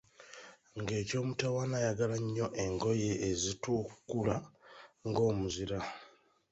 Ng'eky'omutawaana ayagala nnyo engoye ezitukula ng'omuzira.